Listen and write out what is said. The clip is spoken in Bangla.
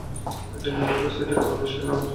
এটি নিউ ইয়র্ক সিটির ওয়াল স্ট্রিট নামক সড়কে অবস্থিত।